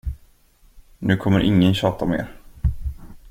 Nu kommer ingen tjata mer.